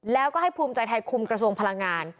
แล้วก็ให้ภูมิใจไทยคุมกระทรวงพลังงาน